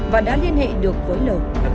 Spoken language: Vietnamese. và đã liên hệ được với l